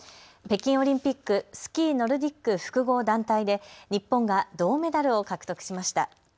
北京オリンピックスキーノルディック複合団体で日本が銅メダルを獲得しました。